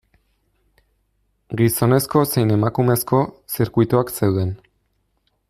Gizoneko zein emakumezko zirkuituak zeuden.